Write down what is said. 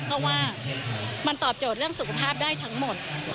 เพราะว่ามันตอบโจทย์เรื่องสุขภาพได้ทั้งหมด